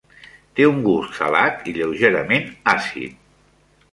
Té un gust salat i lleugerament àcid.